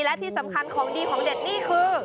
และที่สำคัญของดีของเด็ดนี่คือ